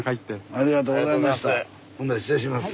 ありがとうございます。